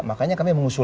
makanya kami mengusulkan